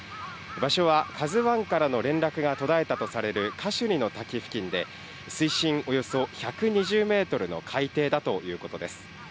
場所はカズワンからの連絡が途絶えたとされるカシュニの滝付近で、水深およそ１２０メートルの海底だということです。